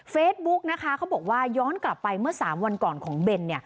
เฟซบุ๊กนะคะเขาบอกว่าย้อนกลับไปเมื่อ๓วันก่อนของเบน